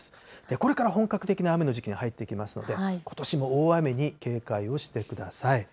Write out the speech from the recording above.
これから本格的な雨の時期に入っていきますので、ことしも大雨に警戒をしてください。